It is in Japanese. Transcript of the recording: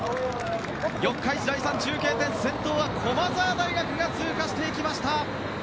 四日市第３中継点先頭は駒澤大学が通過していきました。